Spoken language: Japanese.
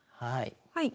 はい。